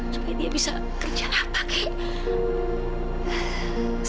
supaya dia bisa kerja rapah kaya